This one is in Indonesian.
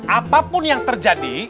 apapun yang terjadi